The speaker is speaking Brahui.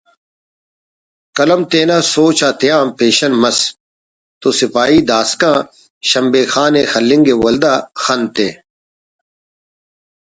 قلم تینا سوچ آتیان پیشن مس تو سپاہی داسکان شمبے خانءِ خلنگءِ ولدا خن تے